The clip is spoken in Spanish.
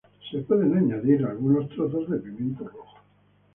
Algunos trozos de pimiento rojo pueden ser añadidos.